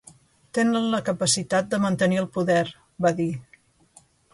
“Tenen la capacitat de mantenir el poder”, va dir.